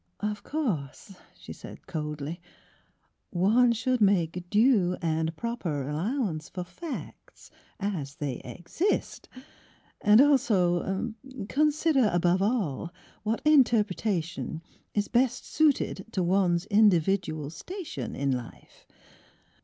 *'Of course," she said coldly, *' one should make due and proper allowance for facts — as they exist. And also — er — consider above all what interpretation is best suited to one's individual sta tion in life.